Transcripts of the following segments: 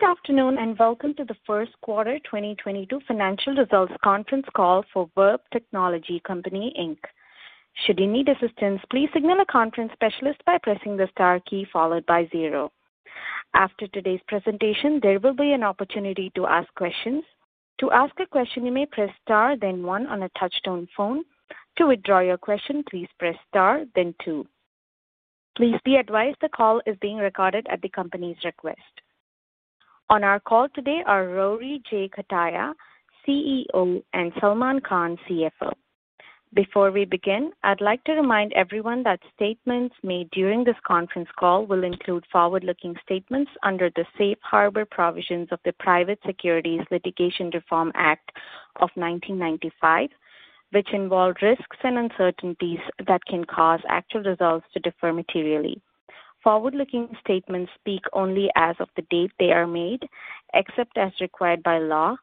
Good afternoon, and welcome to the first quarter 2022 financial results conference call for Verb Technology Company, Inc. Should you need assistance, please signal a conference specialist by pressing the star key followed by zero. After today's presentation, there will be an opportunity to ask questions. To ask a question, you may press star then one on a touch-tone phone. To withdraw your question, please press star then two. Please be advised the call is being recorded at the company's request. On our call today are Rory J. Cutaia, CEO, and Salman Khan, CFO. Before we begin, I'd like to remind everyone that statements made during this conference call will include forward-looking statements under the Safe Harbor provisions of the Private Securities Litigation Reform Act of 1995, which involve risks and uncertainties that can cause actual results to differ materially. Forward-looking statements speak only as of the date they are made, except as required by law,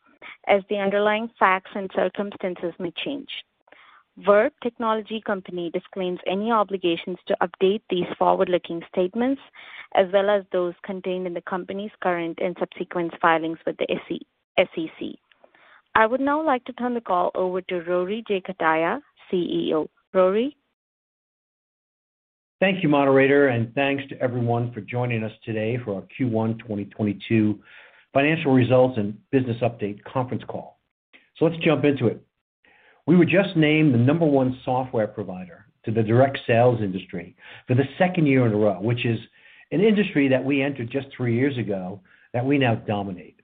as the underlying facts and circumstances may change. Verb Technology Company disclaims any obligations to update these forward-looking statements as well as those contained in the company's current and subsequent filings with the SEC. I would now like to turn the call over to Rory J. Cutaia, CEO. Rory? Thank you, Moderator, and thanks to everyone for joining us today for our Q1 2022 financial results and business update conference call. Let's jump into it. We were just named the number one software provider to the direct sales industry for the second year in a row, which is an industry that we entered just three years ago that we now dominate.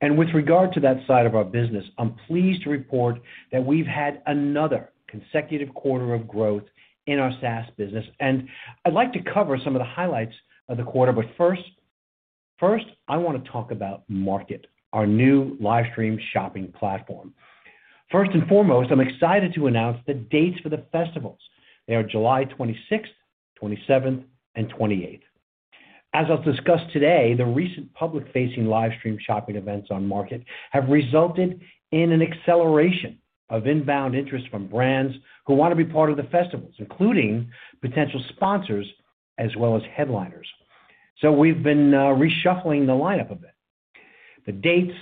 With regard to that side of our business, I'm pleased to report that we've had another consecutive quarter of growth in our SaaS business, and I'd like to cover some of the highlights of the quarter. First, I wanna talk about MARKET, our new live stream shopping platform. First and foremost, I'm excited to announce the dates for the festivals. They are July 26th, 27th, and 28th. As I'll discuss today, the recent public-facing live stream shopping events on market have resulted in an acceleration of inbound interest from brands who wanna be part of the festivals, including potential sponsors as well as headliners. We've been reshuffling the lineup a bit. The dates,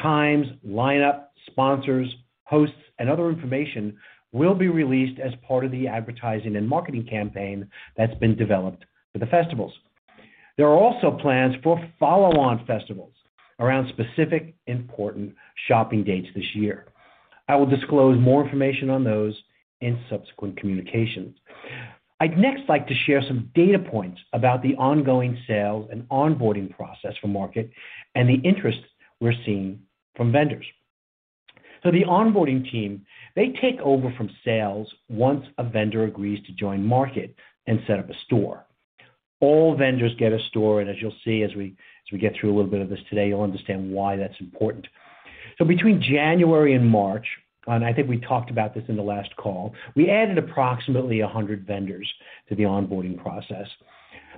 times, lineup, sponsors, hosts, and other information will be released as part of the advertising and marketing campaign that's been developed for the festivals. There are also plans for follow-on festivals around specific important shopping dates this year. I will disclose more information on those in subsequent communications. I'd next like to share some data points about the ongoing sales and onboarding process for market and the interest we're seeing from vendors. The onboarding team, they take over from sales once a vendor agrees to join market instead of a store. All vendors get a store, and as you'll see as we get through a little bit of this today, you'll understand why that's important. Between January and March, and I think we talked about this in the last call, we added approximately 100 vendors to the onboarding process.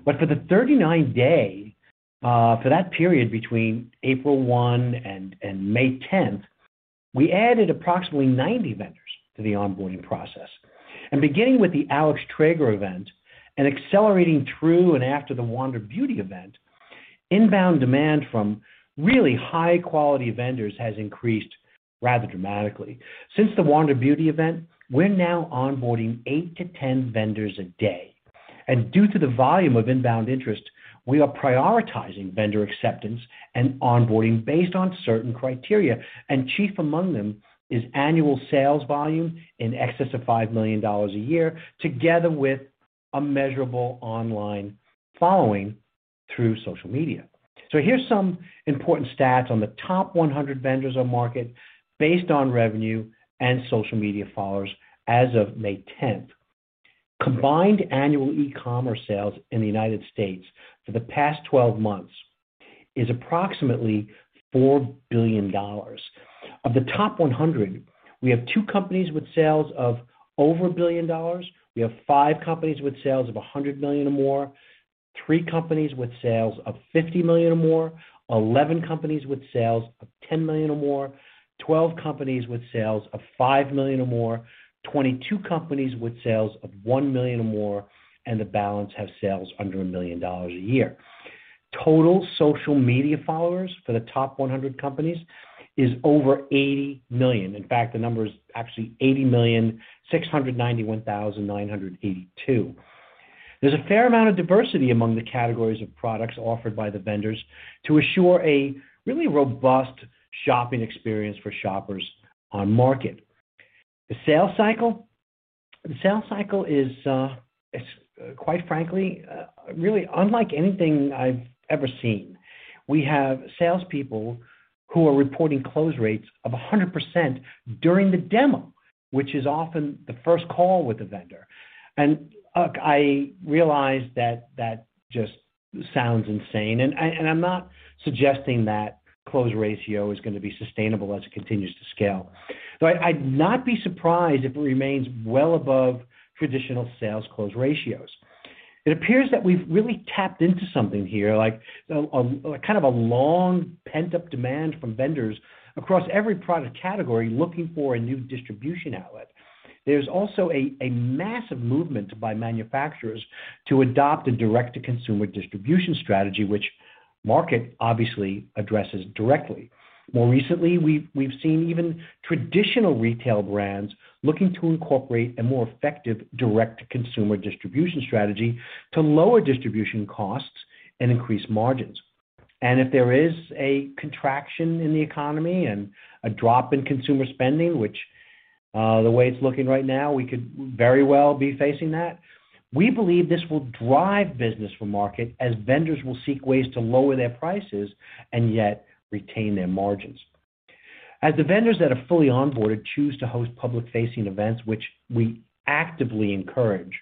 For that 39-day period between April 1 and May 10, we added approximately 90 vendors to the onboarding process. Beginning with the Alix Traeger event and accelerating through and after the Wander Beauty event, inbound demand from really high quality vendors has increased rather dramatically. Since the Wander Beauty event, we're now onboarding eight to 10 vendors a day. Due to the volume of inbound interest, we are prioritizing vendor acceptance and onboarding based on certain criteria, and chief among them is annual sales volume in excess of $5 million a year together with a measurable online following through social media. Here's some important stats on the top 100 vendors on MARKET. based on revenue and social media followers as of May 10. Combined annual e-commerce sales in the United States for the past 12 months is approximately $4 billion. Of the top 100, we have two companies with sales of over $1 billion. We have five companies with sales of $100 million or more, three companies with sales of $50 million or more, 11 companies with sales of $10 million or more, 12 companies with sales of $5 million or more, 22 companies with sales of $1 million or more, and the balance have sales under $1 million a year. Total social media followers for the top 100 companies is over 80 million. In fact, the number is actually 80,691,982. There's a fair amount of diversity among the categories of products offered by the vendors to assure a really robust shopping experience for shoppers on market. The sales cycle? The sales cycle is, it's quite frankly, really unlike anything I've ever seen. We have salespeople who are reporting close rates of 100% during the demo, which is often the first call with the vendor. Look, I realize that that just sounds insane, and I'm not suggesting that close ratio is gonna be sustainable as it continues to scale. I'd not be surprised if it remains well above traditional sales close ratios. It appears that we've really tapped into something here, like a kind of a long pent-up demand from vendors across every product category looking for a new distribution outlet. There's also a massive movement by manufacturers to adopt a direct-to-consumer distribution strategy, which market obviously addresses directly. More recently, we've seen even traditional retail brands looking to incorporate a more effective direct-to-consumer distribution strategy to lower distribution costs and increase margins. If there is a contraction in the economy and a drop in consumer spending, which, the way it's looking right now, we could very well be facing that, we believe this will drive business for MARKET as vendors will seek ways to lower their prices and yet retain their margins. As the vendors that are fully onboarded choose to host public-facing events, which we actively encourage,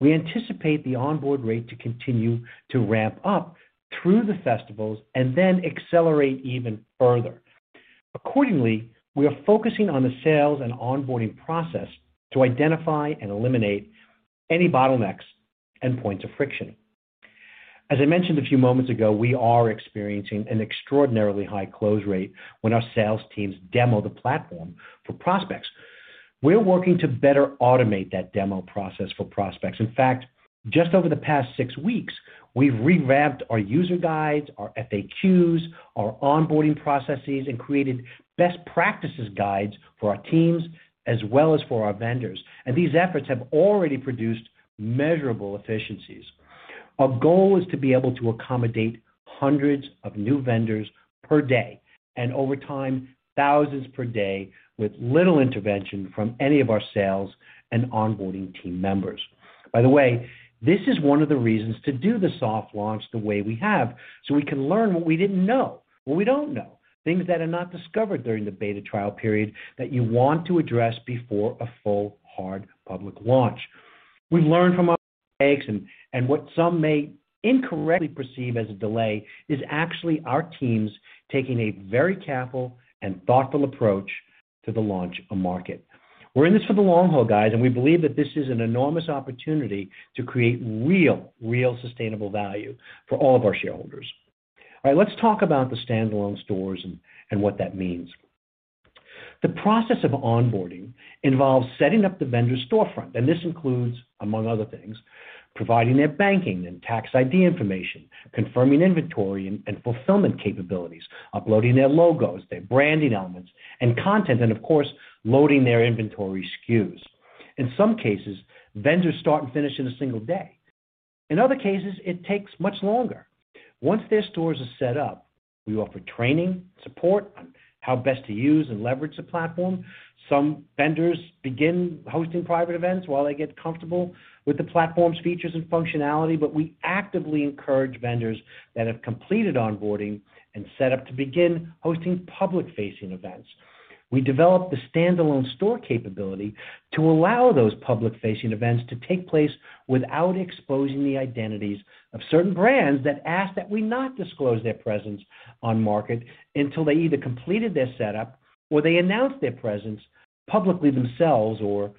we anticipate the onboard rate to continue to ramp up through the festivals and then accelerate even further. Accordingly, we are focusing on the sales and onboarding process to identify and eliminate any bottlenecks and points of friction. As I mentioned a few moments ago, we are experiencing an extraordinarily high close rate when our sales teams demo the platform for prospects. We're working to better automate that demo process for prospects. In fact, just over the past six weeks, we've revamped our user guides, our FAQs, our onboarding processes, and created best practices guides for our teams as well as for our vendors, and these efforts have already produced measurable efficiencies. Our goal is to be able to accommodate hundreds of new vendors per day, and over time, thousands per day with little intervention from any of our sales and onboarding team members. By the way, this is one of the reasons to do the soft launch the way we have, so we can learn what we didn't know, what we don't know, things that are not discovered during the beta trial period that you want to address before a full, hard public launch. We learn from our mistakes and what some may incorrectly perceive as a delay is actually our teams taking a very careful and thoughtful approach to the launch of MARKET. We're in this for the long haul, guys, and we believe that this is an enormous opportunity to create real sustainable value for all of our shareholders. All right, let's talk about the standalone stores and what that means. The process of onboarding involves setting up the vendor storefront, and this includes, among other things, providing their banking and tax ID information, confirming inventory and fulfillment capabilities, uploading their logos, their branding elements and content and, of course, loading their inventory SKUs. In some cases, vendors start and finish in a single day. In other cases, it takes much longer. Once their stores are set up, we offer training, support on how best to use and leverage the platform. Some vendors begin hosting private events while they get comfortable with the platform's features and functionality, but we actively encourage vendors that have completed onboarding and set up to begin hosting public-facing events. We developed the standalone store capability to allow those public-facing events to take place without exposing the identities of certain brands that ask that we not disclose their presence on market until they either completed their setup or they announce their presence publicly themselves or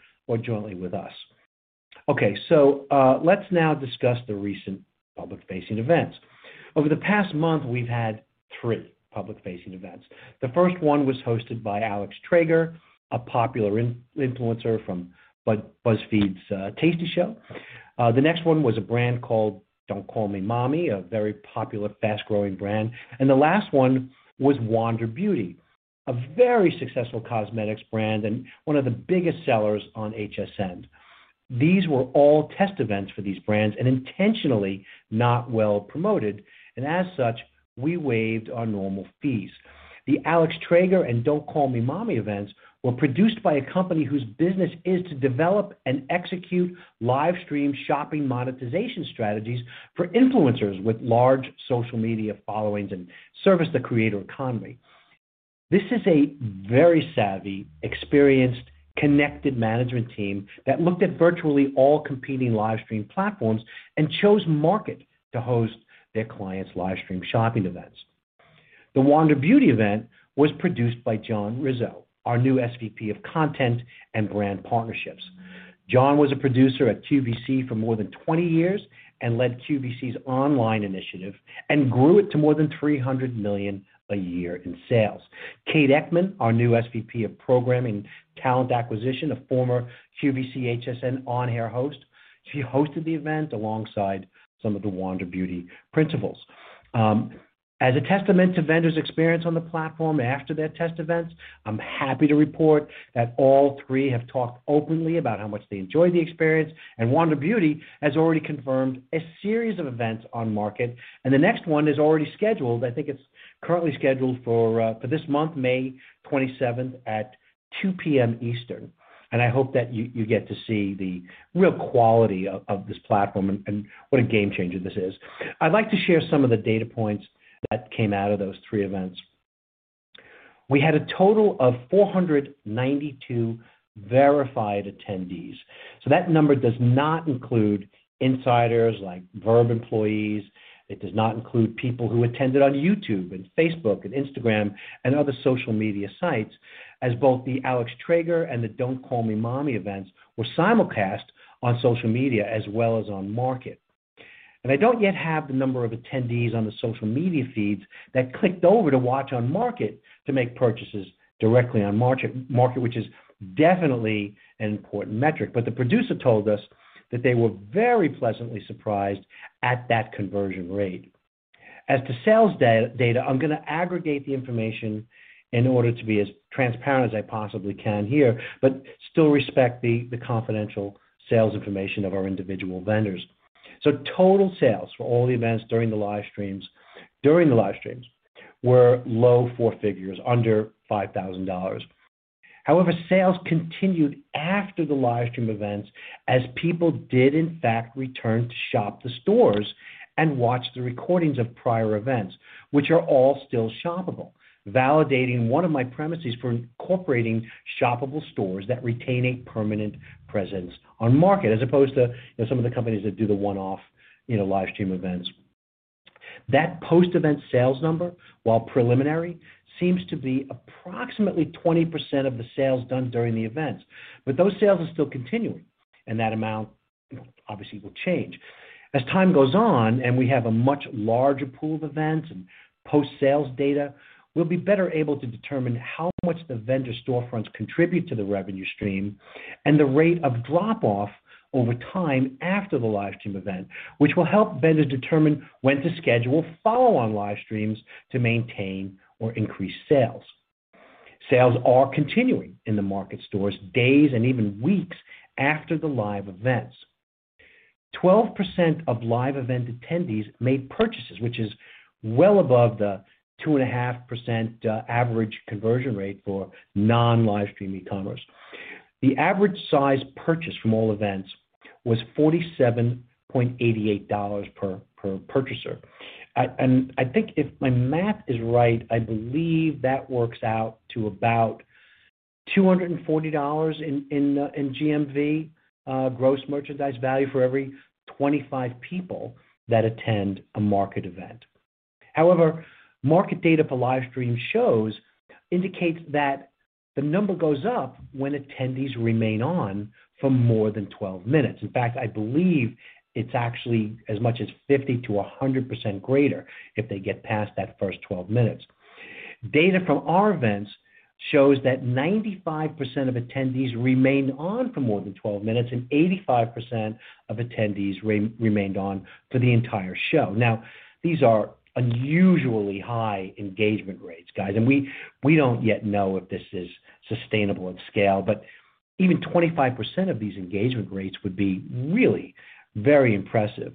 jointly with us. Okay, so, let's now discuss the recent public-facing events. Over the past month, we've had three public-facing events. The first one was hosted by Alix Traeger, a popular influencer from BuzzFeed's Tasty show. The next one was a brand called Don't Call Me Mommy, a very popular, fast-growing brand. The last one was Wander Beauty, a very successful cosmetics brand, and one of the biggest sellers on HSN. These were all test events for these brands and intentionally not well promoted, and as such, we waived our normal fees. The Alix Traeger and Don't Call Me Mommy events were produced by a company whose business is to develop and execute live stream shopping monetization strategies for influencers with large social media followings and service the creator economy. This is a very savvy, experienced, connected management team that looked at virtually all competing live stream platforms and chose MARKET to host their clients' live stream shopping events. The Wander Beauty event was produced by John Rizzo, our new SVP of Content and Brand Partnerships. John was a producer at QVC for more than 20 years and led QVC's online initiative and grew it to more than $300 million a year in sales. Kate Eckman, our new SVP of Programming and Talent Acquisition, a former QVC HSN on-air host. She hosted the event alongside some of the Wander Beauty principals. As a testament to vendors' experience on the platform after their test events, I'm happy to report that all three have talked openly about how much they enjoyed the experience, and Wander Beauty has already confirmed a series of events on market, and the next one is already scheduled. I think it's currently scheduled for this month, May 27 at 2:00 P.M. Eastern. I hope that you get to see the real quality of this platform and what a game-changer this is. I'd like to share some of the data points that came out of those three events. We had a total of 492 verified attendees, so that number does not include insiders like Verb employees. It does not include people who attended on YouTube and Facebook and Instagram and other social media sites, as both the Alix Traeger and the Don't Call Me Mommy events were simulcast on social media as well as on market. I don't yet have the number of attendees on the social media feeds that clicked over to watch on market to make purchases directly on market, which is definitely an important metric. The producer told us that they were very pleasantly surprised at that conversion rate. As to sales data, I'm gonna aggregate the information in order to be as transparent as I possibly can here, but still respect the confidential sales information of our individual vendors. Total sales for all the events during the livestreams were low four figures, under $5,000. However, sales continued after the livestream events, as people did in fact return to shop the stores and watch the recordings of prior events, which are all still shoppable, validating one of my premises for incorporating shoppable stores that retain a permanent presence on market, as opposed to, you know, some of the companies that do the one-off, you know, livestream events. That post-event sales number, while preliminary, seems to be approximately 20% of the sales done during the events. Those sales are still continuing, and that amount, you know, obviously will change. As time goes on and we have a much larger pool of events and post-sales data, we'll be better able to determine how much the vendor storefronts contribute to the revenue stream and the rate of drop-off over time after the livestream event, which will help vendors determine when to schedule follow-on livestreams to maintain or increase sales. Sales are continuing in the market stores days and even weeks after the live events. 12% of live event attendees made purchases, which is well above the 2.5% average conversion rate for non-livestream e-commerce. The average size purchase from all events was $47.88 per purchaser. I think if my math is right, I believe that works out to about $240 in GMV, gross merchandise value for every 25 people that attend a market event. However, market data for livestream shows indicates that the number goes up when attendees remain on for more than 12 minutes. In fact, I believe it's actually as much as 50%-100% greater if they get past that first 12 minutes. Data from our events shows that 95% of attendees remained on for more than 12 minutes, and 85% of attendees remained on for the entire show. Now, these are unusually high engagement rates, guys, and we don't yet know if this is sustainable at scale. Even 25% of these engagement rates would be really very impressive.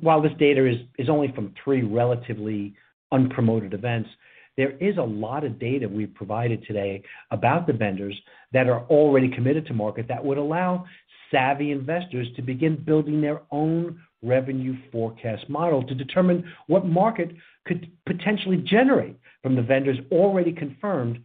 While this data is only from three relatively unpromoted events, there is a lot of data we've provided today about the vendors that are already committed to MARKET that would allow savvy investors to begin building their own revenue forecast model to determine what MARKET could potentially generate from the vendors already confirmed,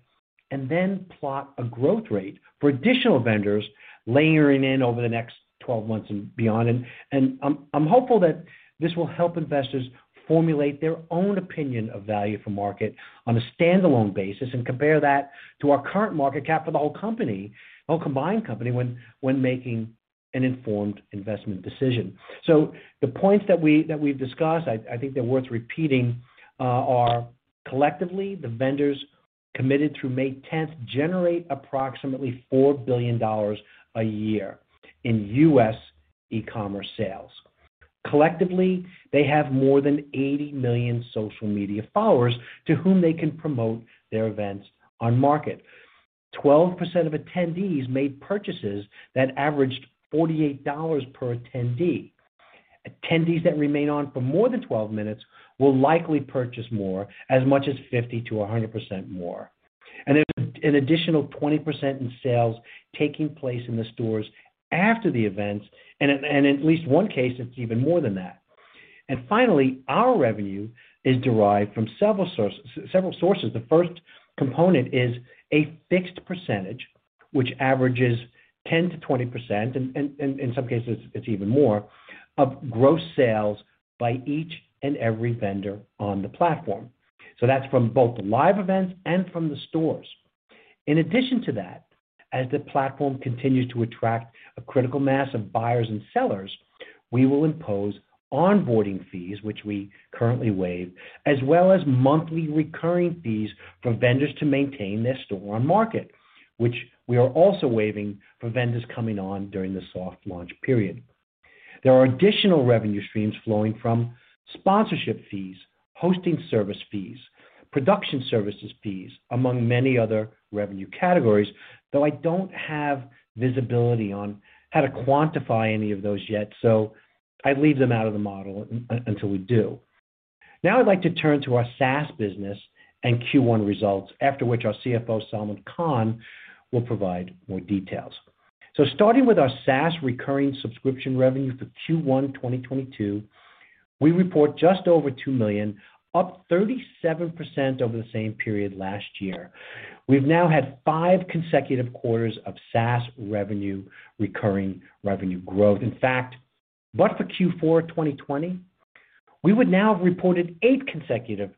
and then plot a growth rate for additional vendors layering in over the next twelve months and beyond. I'm hopeful that this will help investors formulate their own opinion of value for MARKET on a standalone basis and compare that to our current market cap for the whole company, well, combined company when making an informed investment decision. The points that we've discussed, I think they're worth repeating, are collectively, the vendors committed through May 10 generate approximately $4 billion a year in U.S. e-commerce sales. Collectively, they have more than 80 million social media followers to whom they can promote their events on MARKET. 12% of attendees made purchases that averaged $48 per attendee. Attendees that remain on for more than 12 minutes will likely purchase more, as much as 50%-100% more. There's an additional 20% in sales taking place in the stores after the events, and at least one case, it's even more than that. Finally, our revenue is derived from several sources. The first component is a fixed percentage, which averages 10%-20%, and in some cases it's even more, of gross sales by each and every vendor on the platform. That's from both the live events and from the stores. In addition to that, as the platform continues to attract a critical mass of buyers and sellers, we will impose onboarding fees, which we currently waive, as well as monthly recurring fees from vendors to maintain their store on MARKET, which we are also waiving for vendors coming on during the soft launch period. There are additional revenue streams flowing from sponsorship fees, hosting service fees, production services fees, among many other revenue categories, though I don't have visibility on how to quantify any of those yet, so I leave them out of the model until we do. Now, I'd like to turn to our SaaS business and Q1 results, after which our CFO, Salman Khan, will provide more details. Starting with our SaaS recurring subscription revenue for Q1, 2022, we report just over $2 million, up 37% over the same period last year. We've now had five consecutive quarters of SaaS revenue, recurring revenue growth. In fact, but for Q4, 2020, we would now have reported eight consecutive quarters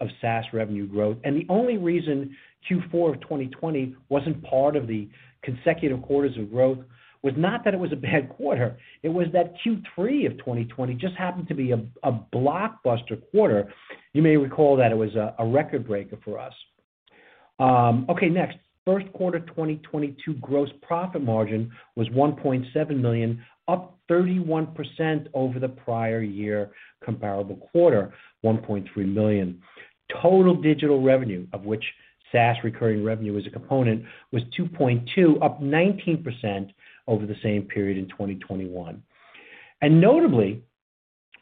of SaaS revenue growth, and the only reason Q4 of 2020 wasn't part of the consecutive quarters of growth was not that it was a bad quarter, it was that Q3 of 2020 just happened to be a blockbuster quarter. You may recall that it was a record breaker for us. First quarter 2022 gross profit margin was $1.7 million, up 31% over the prior year comparable quarter, $1.3 million. Total digital revenue, of which SaaS recurring revenue is a component, was $2.2 million, up 19% over the same period in 2021. Notably,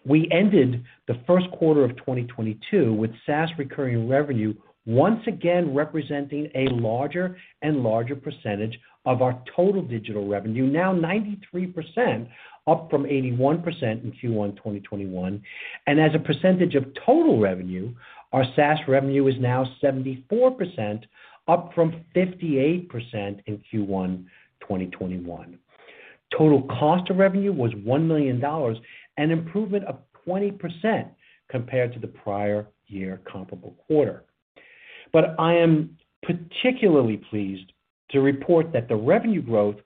we ended the first quarter of 2022 with SaaS recurring revenue once again representing a larger and larger percentage of our total digital revenue, now 93%, up from 81% in Q1 2021. As a percentage of total revenue, our SaaS revenue is now 74%, up from 58% in Q1 2021. Total cost of revenue was $1 million, an improvement of 20% compared to the prior year comparable quarter. I am particularly pleased to report that the revenue growth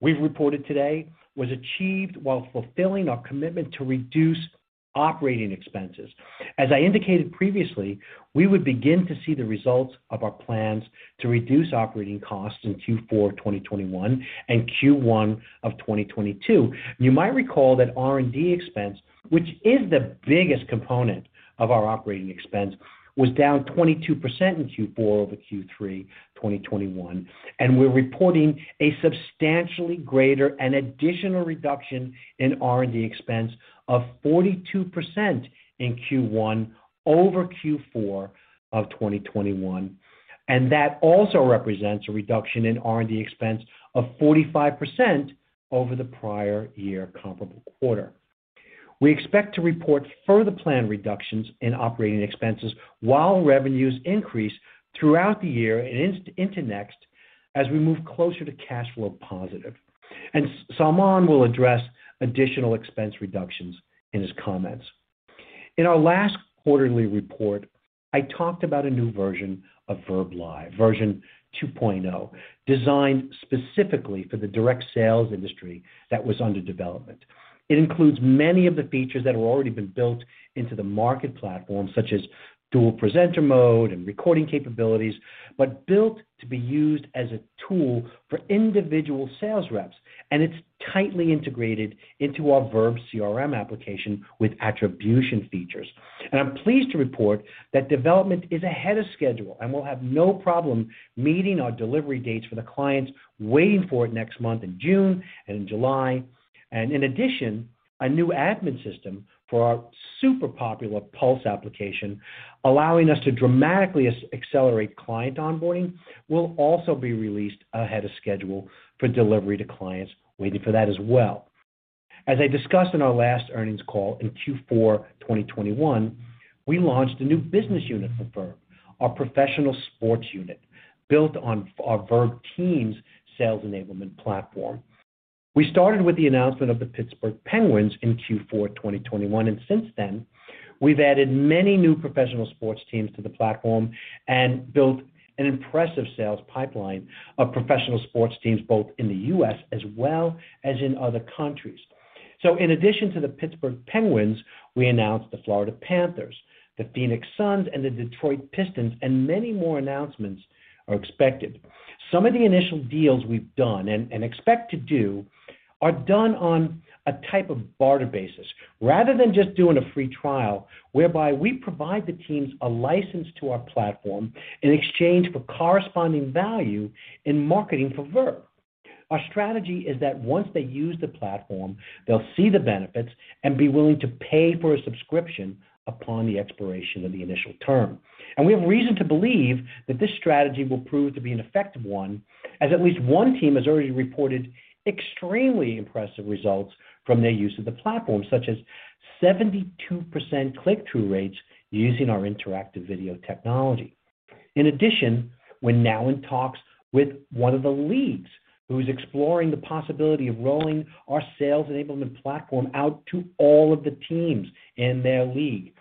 we've reported today was achieved while fulfilling our commitment to reduce operating expenses. As I indicated previously, we would begin to see the results of our plans to reduce operating costs in Q4 of 2021 and Q1 of 2022. You might recall that R&D expense, which is the biggest component of our operating expense, was down 22% in Q4 over Q3 2021, and we're reporting a substantially greater and additional reduction in R&D expense of 42% in Q1 over Q4 of 2021. That also represents a reduction in R&D expense of 45% over the prior year comparable quarter. We expect to report further planned reductions in operating expenses while revenues increase throughout the year and into next as we move closer to cash flow positive. Salman will address additional expense reductions in his comments. In our last quarterly report, I talked about a new version of verbLIVE, version 2.0, designed specifically for the direct sales industry that was under development. It includes many of the features that have already been built into the market platform, such as dual presenter mode and recording capabilities, but built to be used as a tool for individual sales reps. It's tightly integrated into our verbCRM application with attribution features. I'm pleased to report that development is ahead of schedule, and we'll have no problem meeting our delivery dates for the clients waiting for it next month in June and in July. In addition, a new admin system for our super popular Pulse application, allowing us to dramatically accelerate client onboarding, will also be released ahead of schedule for delivery to clients waiting for that as well. As I discussed in our last earnings call in Q4 2021, we launched a new business unit for Verb, our professional sports unit, built on our verbTEAMS sales enablement platform. We started with the announcement of the Pittsburgh Penguins in Q4 2021, and since then, we've added many new professional sports teams to the platform and built an impressive sales pipeline of professional sports teams, both in the U.S. as well as in other countries. In addition to the Pittsburgh Penguins, we announced the Florida Panthers, the Phoenix Suns, and the Detroit Pistons, and many more announcements are expected. Some of the initial deals we've done and expect to do are done on a type of barter basis rather than just doing a free trial whereby we provide the teams a license to our platform in exchange for corresponding value in marketing for Verb. Our strategy is that once they use the platform, they'll see the benefits and be willing to pay for a subscription upon the expiration of the initial term. We have reason to believe that this strategy will prove to be an effective one, as at least one team has already reported extremely impressive results from their use of the platform, such as 72% click-through rates using our interactive video technology. In addition, we're now in talks with one of the leagues who's exploring the possibility of rolling our sales enablement platform out to all of the teams in their league.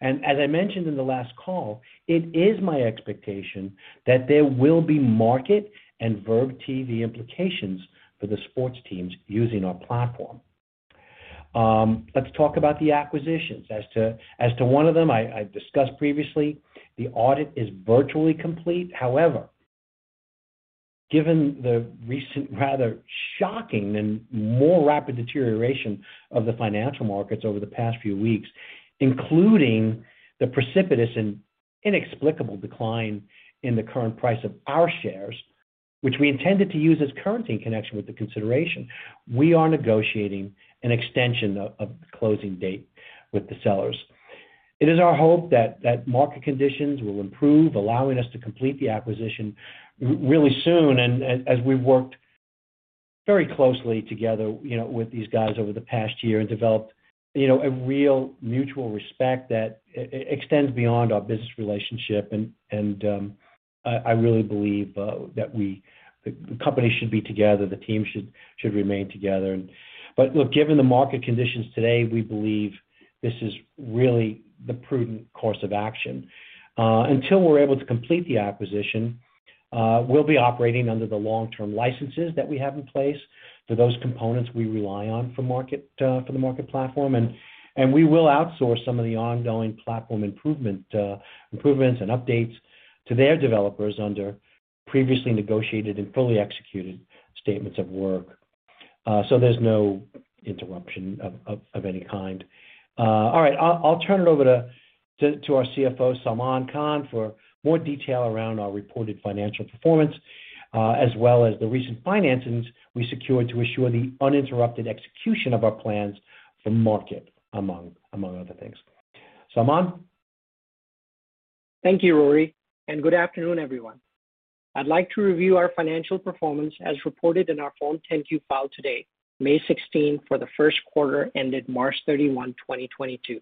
As I mentioned in the last call, it is my expectation that there will be MARKET and verbTV implications for the sports teams using our platform. Let's talk about the acquisitions. As to one of them I've discussed previously, the audit is virtually complete. However, given the recent rather shocking and more rapid deterioration of the financial markets over the past few weeks, including the precipitous and inexplicable decline in the current price of our shares, which we intended to use as currency in connection with the consideration, we are negotiating an extension of the closing date with the sellers. It is our hope that market conditions will improve, allowing us to complete the acquisition really soon. As we've worked very closely together, you know, with these guys over the past year and developed, you know, a real mutual respect that extends beyond our business relationship and, I really believe, that we the company should be together, the team should remain together. Look, given the market conditions today, we believe this is really the prudent course of action. Until we're able to complete the acquisition, we'll be operating under the long-term licenses that we have in place for those components we rely on for Market, for the Market platform and we will outsource some of the ongoing platform improvements and updates to their developers under previously negotiated and fully executed statements of work. So there's no interruption of any kind. All right, I'll turn it over to our CFO, Salman Khan, for more detail around our reported financial performance, as well as the recent financings we secured to assure the uninterrupted execution of our plans for Market, among other things. Salman? Thank you, Rory, and good afternoon, everyone. I'd like to review our financial performance as reported in our Form 10-Q filed today, May 16, for the first quarter ended March 31, 2022.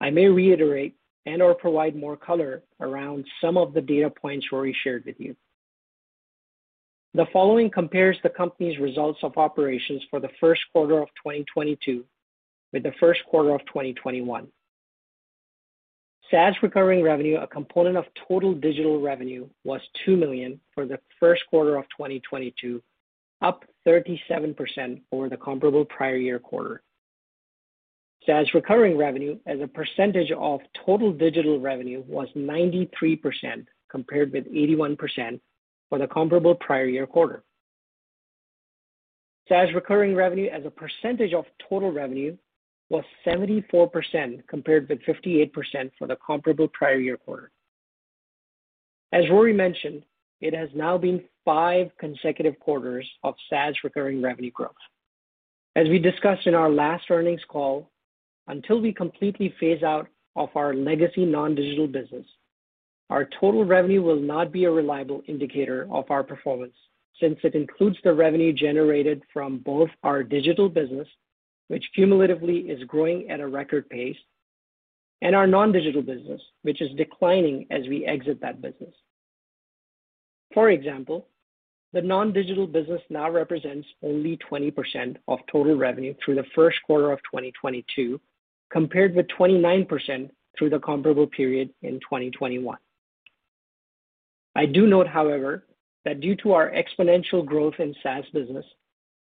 I may reiterate and/or provide more color around some of the data points Rory shared with you. The following compares the company's results of operations for the first quarter of 2022 with the first quarter of 2021. SaaS recurring revenue, a component of total digital revenue, was $2 million for the first quarter of 2022, up 37% over the comparable prior year quarter. SaaS recurring revenue as a percentage of total digital revenue was 93%, compared with 81% for the comparable prior year quarter. SaaS recurring revenue as a percentage of total revenue was 74%, compared with 58% for the comparable prior year quarter. As Rory mentioned, it has now been five consecutive quarters of SaaS recurring revenue growth. As we discussed in our last earnings call, until we completely phase out of our legacy non-digital business, our total revenue will not be a reliable indicator of our performance since it includes the revenue generated from both our digital business, which cumulatively is growing at a record pace, and our non-digital business, which is declining as we exit that business. For example, the non-digital business now represents only 20% of total revenue through the first quarter of 2022, compared with 29% through the comparable period in 2021. I do note, however, that due to our exponential growth in SaaS business,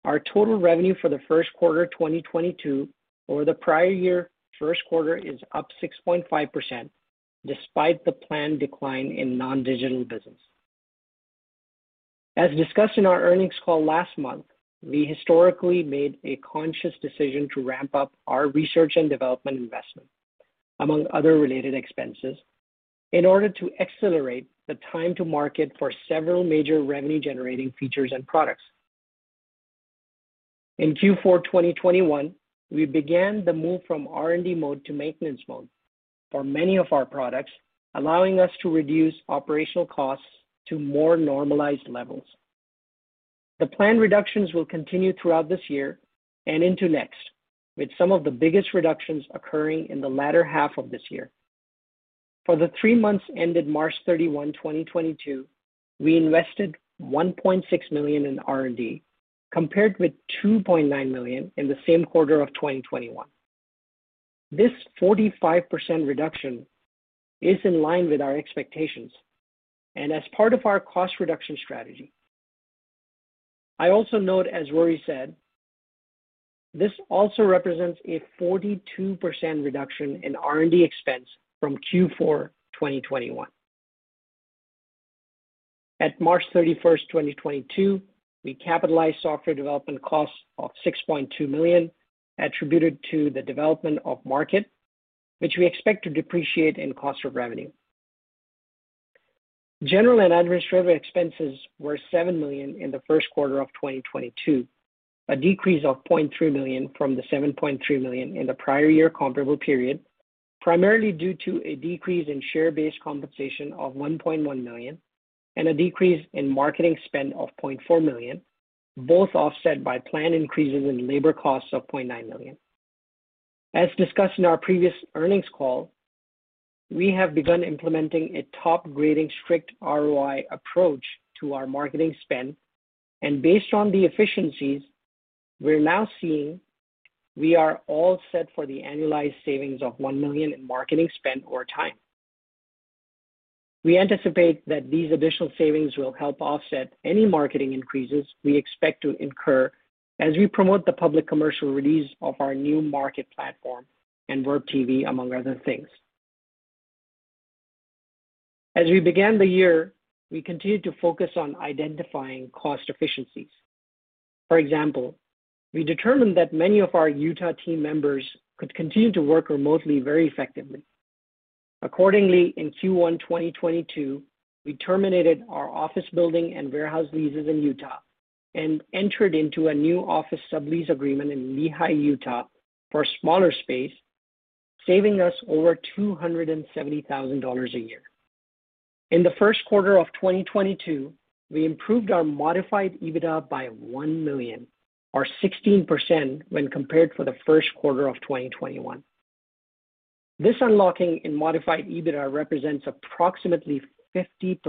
our total revenue for the first quarter 2022 over the prior year first quarter is up 6.5% despite the planned decline in non-digital business. As discussed in our earnings call last month, we historically made a conscious decision to ramp up our research and development investment, among other related expenses, in order to accelerate the time to market for several major revenue-generating features and products. In Q4 2021, we began the move from R&D mode to maintenance mode for many of our products, allowing us to reduce operational costs to more normalized levels. The planned reductions will continue throughout this year and into next, with some of the biggest reductions occurring in the latter half of this year. For the three months ended March 31, 2022, we invested $1.6 million in R&D, compared with $2.9 million in the same quarter of 2021. This 45% reduction is in line with our expectations and as part of our cost reduction strategy. I also note, as Rory said, this also represents a 42% reduction in R&D expense from Q4 2021. At March 31st, 2022, we capitalized software development costs of $6.2 million attributed to the development of MARKET, which we expect to depreciate in cost of revenue. General and administrative expenses were $7 million in the first quarter of 2022, a decrease of $0.3 million from the $7.3 million in the prior year comparable period, primarily due to a decrease in share-based compensation of $1.1 million and a decrease in marketing spend of $0.4 million, both offset by planned increases in labor costs of $0.9 million. As discussed in our previous earnings call, we have begun implementing a top-grading strict ROI approach to our marketing spend. Based on the efficiencies we're now seeing, we are all set for the annualized savings of $1 million in marketing spend over time. We anticipate that these additional savings will help offset any marketing increases we expect to incur as we promote the public commercial release of our new MARKET platform and verbTV, among other things. As we began the year, we continued to focus on identifying cost efficiencies. For example, we determined that many of our Utah team members could continue to work remotely very effectively. Accordingly, in Q1 2022, we terminated our office building and warehouse leases in Utah and entered into a new office sublease agreement in Lehi, Utah, for a smaller space, saving us over $270,000 a year. In the first quarter of 2022, we improved our Modified EBITDA by $1 million, or 16% when compared to the first quarter of 2021. This unlocking in Modified EBITDA represents approximately 50%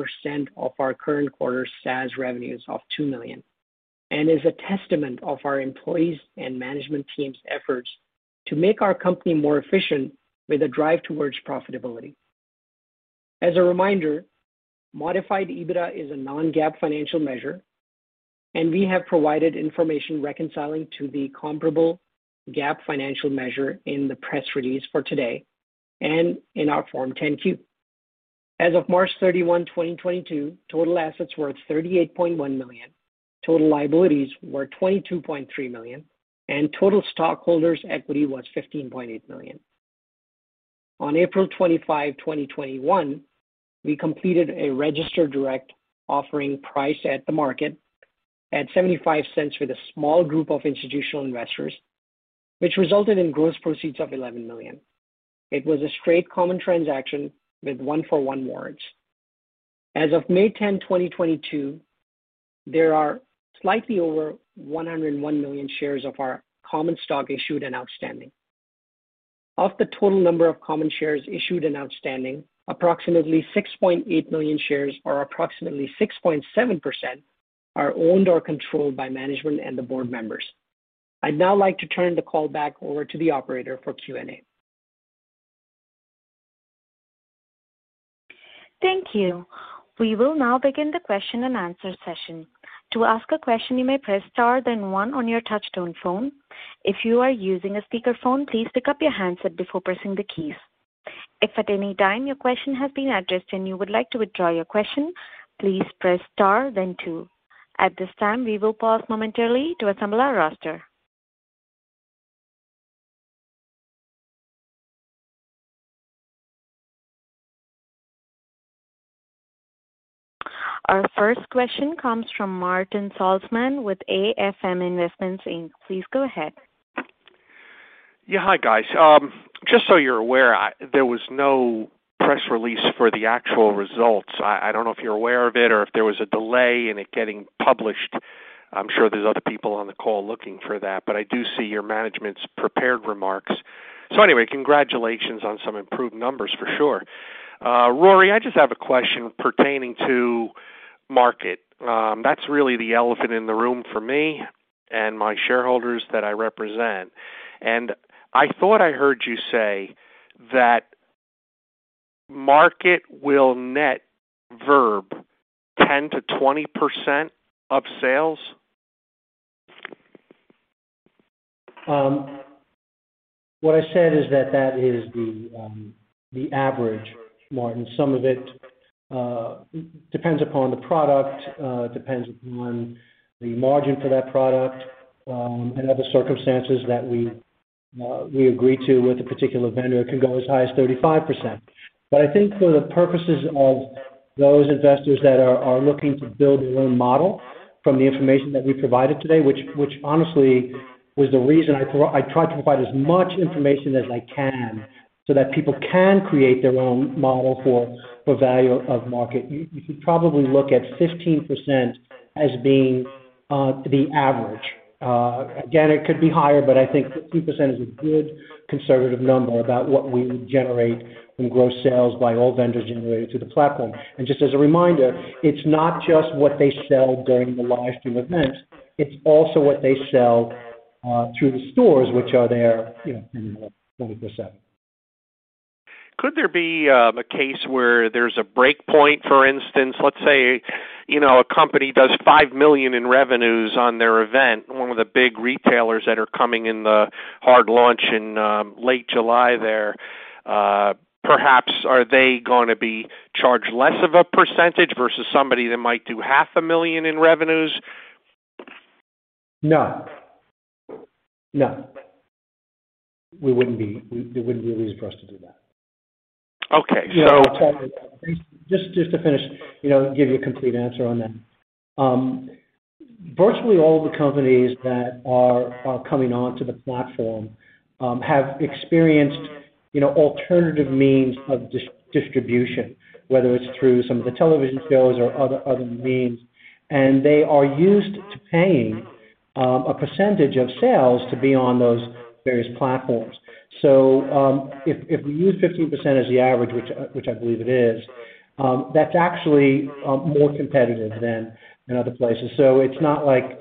of our current quarter SaaS revenues of $2 million and is a testament of our employees' and management team's efforts to make our company more efficient with a drive towards profitability. As a reminder, Modified EBITDA is a non-GAAP financial measure, and we have provided information reconciling to the comparable GAAP financial measure in the press release for today and in our Form 10-Q. As of March 31, 2022, total assets were $38.1 million, total liabilities were $22.3 million, and total stockholders' equity was $15.8 million. On April 25, 2021, we completed a registered direct offering priced at-the-market at $0.75 with a small group of institutional investors, which resulted in gross proceeds of $11 million. It was a straight common transaction with one-for-one warrants. As of May 10, 2022, there are slightly over 101 million shares of our common stock issued and outstanding. Of the total number of common shares issued and outstanding, approximately 6.8 million shares, or approximately 6.7%, are owned or controlled by management and the board members. I'd now like to turn the call back over to the operator for Q&A. Thank you. We will now begin the question-and-answer session. To ask a question, you may press star then one on your touchtone phone. If you are using a speakerphone, please pick up your handset before pressing the keys. If at any time your question has been addressed and you would like to withdraw your question, please press star then two. At this time, we will pause momentarily to assemble our roster. Our first question comes from Martin Saltzman with AFM Investments Inc. Please go ahead. Yeah. Hi, guys. Just so you're aware, there was no press release for the actual results. I don't know if you're aware of it or if there was a delay in it getting published. I'm sure there's other people on the call looking for that, but I do see your management's prepared remarks. Anyway, congratulations on some improved numbers for sure. Rory, I just have a question pertaining to MARKET. That's really the elephant in the room for me and my shareholders that I represent. I thought I heard you say that MARKET will net Verb 10%-20% of sales? What I said is that is the average, Martin. Some of it depends upon the product, the margin for that product, and other circumstances that we agree to with a particular vendor. It can go as high as 35%. I think for the purposes of those investors that are looking to build their own model from the information that we provided today, which honestly was the reason I tried to provide as much information as I can so that people can create their own model for value of MARKET. You could probably look at 15% as being the average. Again, it could be higher, but I think 15% is a good conservative number about what we would generate in gross sales by all vendors generated through the platform. Just as a reminder, it's not just what they sell during the live stream events, it's also what they sell through the stores which are there, you know, 24/7. Could there be a case where there's a break point? For instance, let's say, you know, a company does $5 million in revenues on their event. One of the big retailers that are coming in the hard launch in late July there, perhaps are they gonna be charged less of a percentage versus somebody that might do half a million in revenues? No. It wouldn't be easy for us to do that. Okay. Just to finish, you know, give you a complete answer on that. Virtually all of the companies that are coming onto the platform have experienced, you know, alternative means of distribution, whether it's through some of the television shows or other means, and they are used to paying a percentage of sales to be on those various platforms. If we use 15% as the average, which I believe it is, that's actually more competitive than in other places. It's not like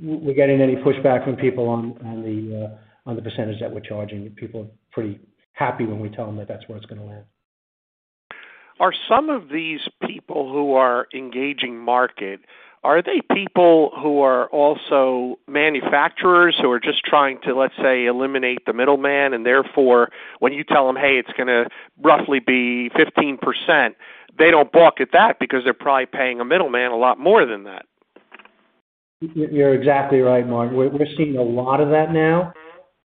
we're getting any pushback from people on the percentage that we're charging. People are pretty happy when we tell them that that's where it's gonna land. Are some of these people who are engaging MARKET, are they people who are also manufacturers who are just trying to, let's say, eliminate the middleman, and therefore, when you tell them, "Hey, it's gonna roughly be 15%," they don't balk at that because they're probably paying a middleman a lot more than that? You're exactly right, Martin. We're seeing a lot of that now,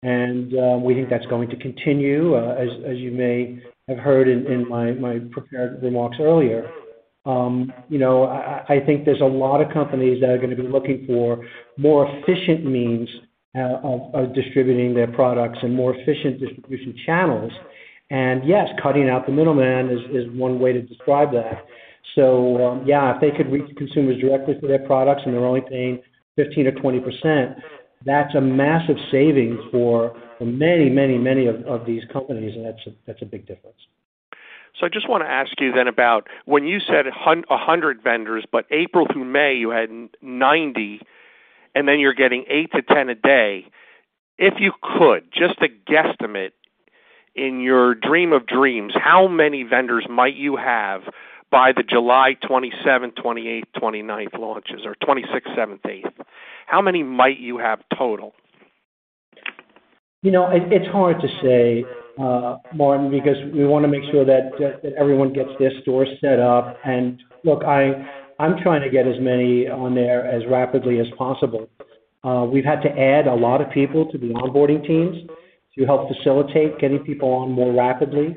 and we think that's going to continue. As you may have heard in my prepared remarks earlier, you know, I think there's a lot of companies that are gonna be looking for more efficient means of distributing their products and more efficient distribution channels. Yes, cutting out the middleman is one way to describe that. Yeah, if they could reach consumers directly through their products and they're only paying 15%-20%, that's a massive saving for many of these companies, and that's a big difference. I just wanna ask you then about when you said a 100 vendors, but April through May, you had 90, and then you're getting eight to 10 a day. If you could, just to guesstimate in your dream of dreams, how many vendors might you have by the July 27th, 28th, 29th launches or 26th, 17th? How many might you have total? You know, it's hard to say, Martin Saltzman, because we wanna make sure that everyone gets their store set up. Look, I'm trying to get as many on there as rapidly as possible. We've had to add a lot of people to the onboarding teams to help facilitate getting people on more rapidly.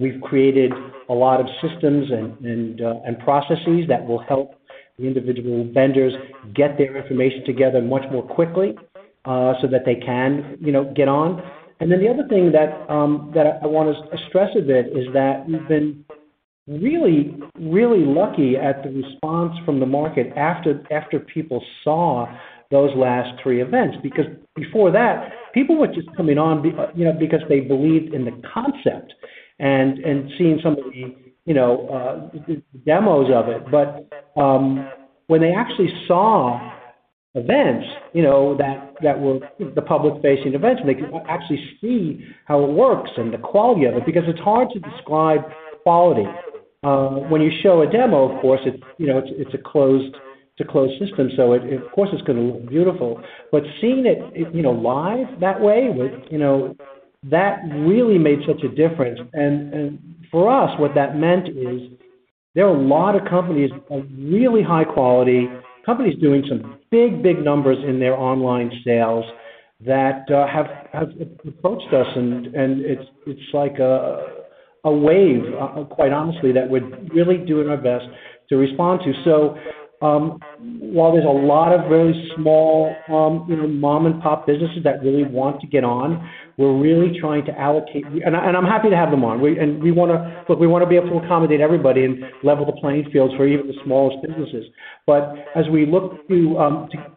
We've created a lot of systems and processes that will help the individual vendors get their information together much more quickly, so that they can, you know, get on. Then the other thing that I wanna stress a bit is that we've been really lucky at the response from the MARKET after people saw those last three events. Because before that, people were just coming on, you know, because they believed in the concept and seeing some of the, you know, the demos of it. When they actually saw events, you know, that were the public-facing events, and they could actually see how it works and the quality of it, because it's hard to describe quality. When you show a demo, of course, it's, you know, a closed system, so it, of course, it's gonna look beautiful. Seeing it, you know, live that way with, you know, that really made such a difference. For us, what that meant is there are a lot of companies of really high quality, companies doing some big numbers in their online sales that have approached us, and it's like a wave, quite honestly, that we're really doing our best to respond to. While there's a lot of very small, you know, mom-and-pop businesses that really want to get on, we're really trying to allocate. I'm happy to have them on. We wanna be able to accommodate everybody and level the playing fields for even the smallest businesses. As we look through,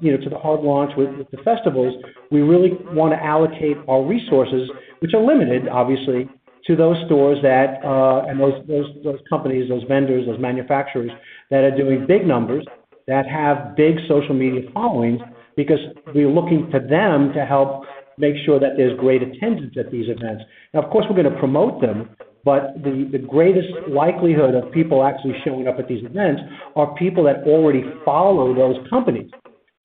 you know, to the hard launch with the festivals, we really wanna allocate our resources, which are limited, obviously, to those stores and those companies, those vendors, those manufacturers that are doing big numbers, that have big social media followings, because we're looking to them to help make sure that there's great attendance at these events. Now, of course, we're gonna promote them, but the greatest likelihood of people actually showing up at these events are people that already follow those companies.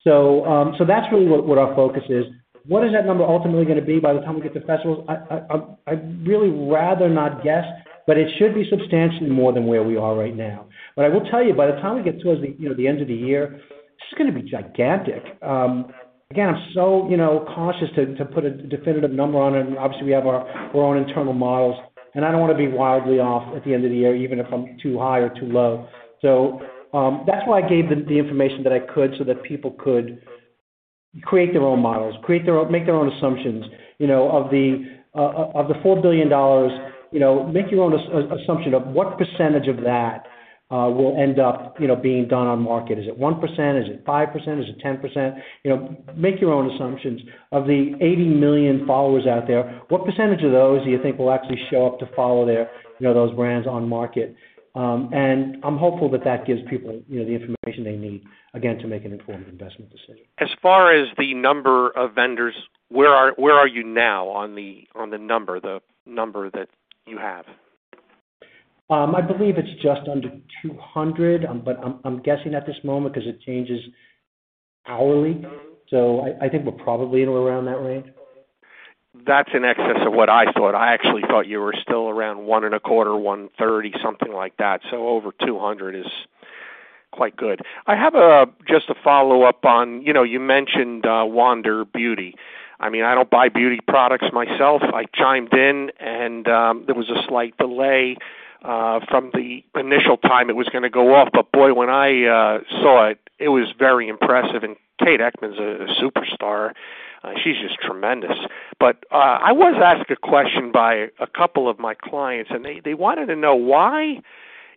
So that's really what our focus is. What is that number ultimately gonna be by the time we get to festivals? I'd really rather not guess, but it should be substantially more than where we are right now. I will tell you, by the time we get towards the end of the year, this is gonna be gigantic. Again, I'm so you know cautious to put a definitive number on it, and obviously we have our own internal models, and I don't wanna be wildly off at the end of the year, even if I'm too high or too low. That's why I gave the information that I could so that people could create their own models, make their own assumptions, you know, of the $4 billion, you know, make your own assumption of what percentage of that will end up you know being done on MARKET. Is it 1%? Is it 5%? Is it 10%? You know, make your own assumptions. Of the 80 million followers out there, what percentage of those do you think will actually show up to follow their, you know, those brands on MARKET? I'm hopeful that that gives people, you know, the information they need, again, to make an informed investment decision. As far as the number of vendors, where are you now on the number that you have? I believe it's just under 200, but I'm guessing at this moment 'cause it changes hourly, so I think we're probably at around that range. That's in excess of what I thought. I actually thought you were still around 1.25, 1.30, something like that. Over 200 is quite good. I have just a follow-up on, you know, you mentioned Wander Beauty. I mean, I don't buy beauty products myself. I chimed in and there was a slight delay from the initial time it was gonna go off. Boy, when I saw it was very impressive, and Kate Eckman's a superstar. She's just tremendous. I was asked a question by a couple of my clients, and they wanted to know why?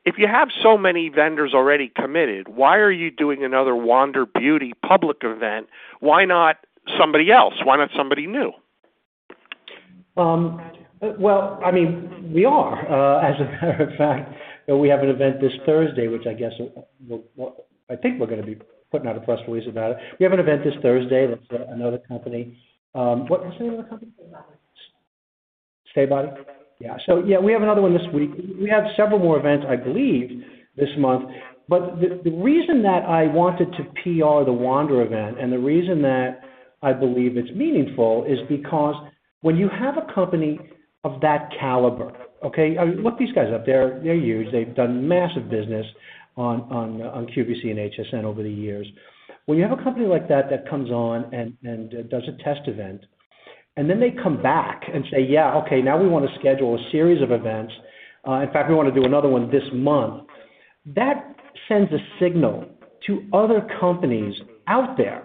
If you have so many vendors already committed, why are you doing another Wander Beauty public event? Why not somebody else? Why not somebody new? Well, I mean, we are. As a matter of fact, we have an event this Thursday, I think we're gonna be putting out a press release about it. We have an event this Thursday that's another company. What's the name of the company? stā BODY. stā BODY? Yeah. Yeah, we have another one this week. We have several more events, I believe, this month. The reason that I wanted to PR the Wander event, and the reason that I believe it's meaningful, is because when you have a company of that caliber, okay. Look these guys up. They're huge. They've done massive business on QVC and HSN over the years. When you have a company like that that comes on and does a test event, and then they come back and say, "Yeah, okay, now we wanna schedule a series of events. In fact, we wanna do another one this month," that sends a signal to other companies out there,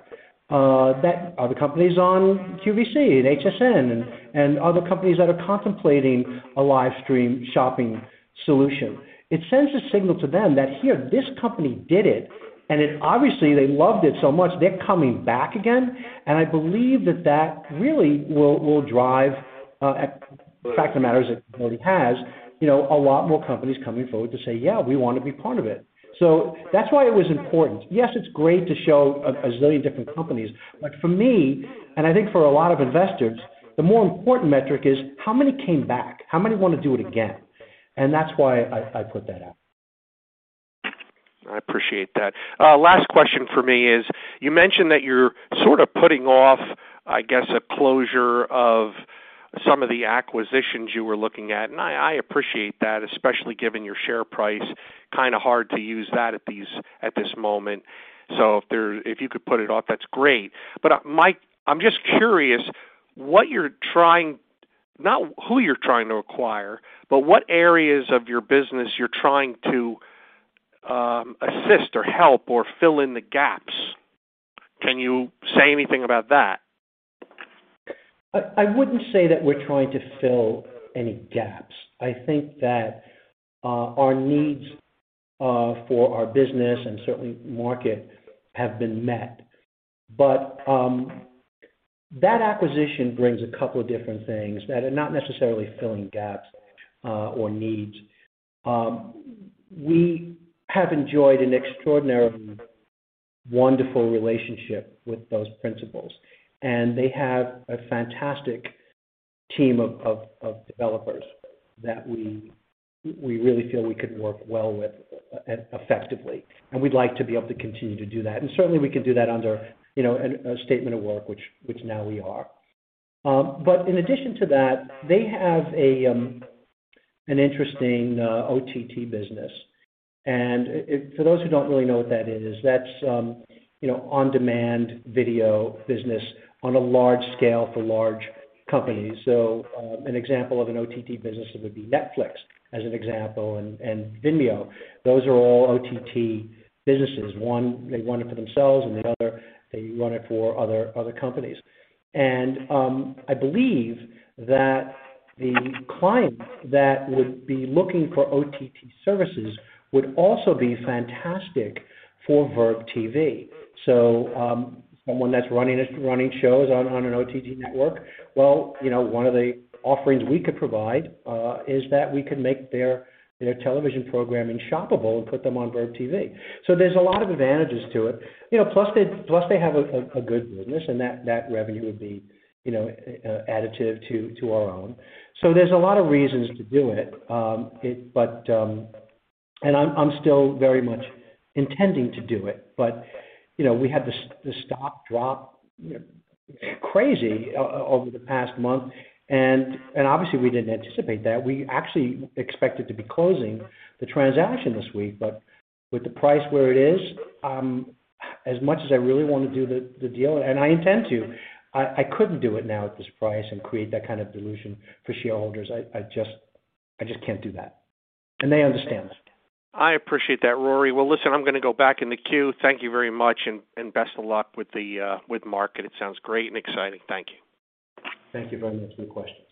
that other companies on QVC and HSN and other companies that are contemplating a live stream shopping solution. It sends a signal to them that here, this company did it, and it obviously they loved it so much, they're coming back again. I believe that really will drive fact of the matter is it already has, you know, a lot more companies coming forward to say, "Yeah, we wanna be part of it." That's why it was important. Yes, it's great to show a zillion different companies. For me, and I think for a lot of investors, the more important metric is how many came back? How many wanna do it again? That's why I put that out. I appreciate that. Last question for me is, you mentioned that you're sort of putting off, I guess, a closure of some of the acquisitions you were looking at. I appreciate that, especially given your share price. Kinda hard to use that at this moment. If you could put it off, that's great. Mike, I'm just curious what you're trying to acquire. Not who you're trying to acquire, but what areas of your business you're trying to assist or help or fill in the gaps. Can you say anything about that? I wouldn't say that we're trying to fill any gaps. I think that our needs for our business and certainly market have been met. That acquisition brings a couple of different things that are not necessarily filling gaps or needs. We have enjoyed an extraordinarily wonderful relationship with those principals, and they have a fantastic team of developers that we really feel we could work well with effectively, and we'd like to be able to continue to do that. Certainly, we can do that under, you know, under a statement of work, which now we are. In addition to that, they have an interesting OTT business. For those who don't really know what that is, that's, you know, on-demand video business on a large scale for large companies. An example of an OTT business would be Netflix, as an example, and Vimeo. Those are all OTT businesses. One, they run it for themselves, and the other, they run it for other companies. I believe that the clients that would be looking for OTT services would also be fantastic for verbTV. Someone that's running shows on an OTT network, well, you know, one of the offerings we could provide is that we can make their television programming shoppable and put them on verbTV. There's a lot of advantages to it. You know, plus they have a good business and that revenue would be, you know, additive to our own. There's a lot of reasons to do it. I'm still very much intending to do it. You know, we had the stock drop crazy over the past month, and obviously we didn't anticipate that. We actually expected to be closing the transaction this week. With the price where it is, as much as I really wanna do the deal, and I intend to, I couldn't do it now at this price and create that kind of dilution for shareholders. I just can't do that, and they understand that. I appreciate that, Rory. Well, listen, I'm gonna go back in the queue. Thank you very much and best of luck with MARKET. It sounds great and exciting. Thank you. Thank you very much for the questions.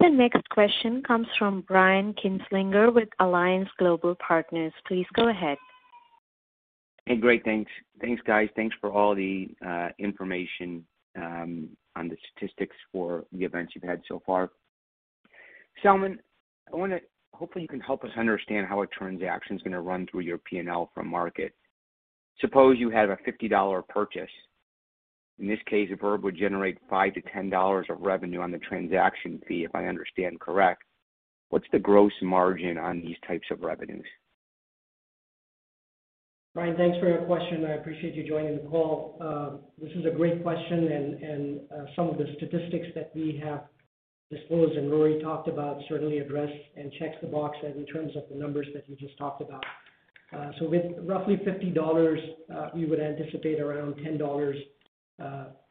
The next question comes from Brian Kinstlinger with Alliance Global Partners. Please go ahead. Hey, great, thanks. Thanks, guys. Thanks for all the information on the statistics for the events you've had so far. Salman, hopefully you can help us understand how a transaction's gonna run through your P&L from MARKET. Suppose you have a $50 purchase. In this case, Verb would generate $5-$10 of revenue on the transaction fee, if I understand correct. What's the gross margin on these types of revenues? Brian, thanks for your question. I appreciate you joining the call. This is a great question and some of the statistics that we have disclosed and Rory talked about certainly address and checks the box as in terms of the numbers that you just talked about. With roughly $50, we would anticipate around $10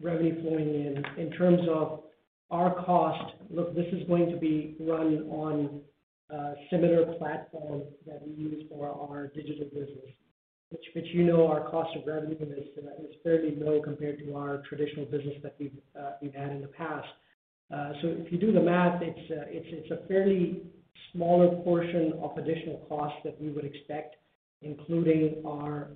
revenue flowing in. In terms of our cost, look, this is going to be run on a similar platform that we use for our digital business, which you know our cost of revenue is fairly low compared to our traditional business that we've had in the past. If you do the math, it's a fairly smaller portion of additional costs that we would expect, including our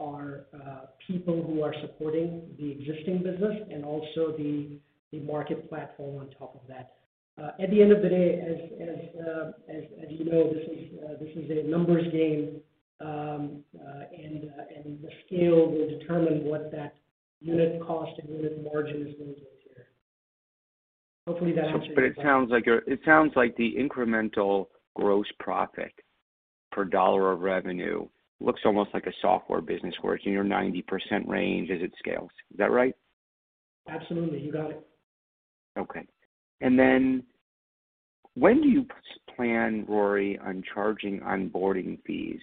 people who are supporting the existing business and also the MARKET platform on top of that. At the end of the day, as you know, this is a numbers game, and the scale will determine what that unit cost and unit margin is gonna look here. Hopefully that answers your question. It sounds like the incremental gross profit per dollar of revenue looks almost like a software business where it's in your 90% range as it scales. Is that right? Absolutely. You got it. Okay. When do you plan, Rory, on charging onboarding fees?